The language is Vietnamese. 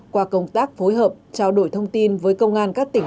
qua công tác phối hợp trao đổi thông tin với công an các tỉnh